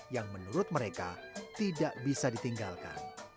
yang menurut mereka tidak bisa ditinggalkan